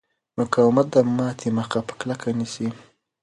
مقاومت د ماتې مخه په کلکه نیسي.